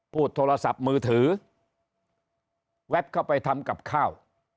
โทรศัพท์มือถือแวบเข้าไปทำกับข้าว